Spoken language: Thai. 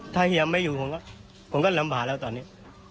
ถ้าเฮียไม่อยู่ผมก็ลำบากแล้วตอนนี้